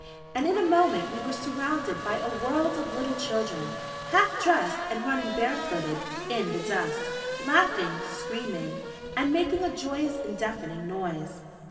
And in a moment we were surrounded by a world of little children, half dressed, and running bare footed in the dust, laughing, screaming, and making a joyous and deafening noise.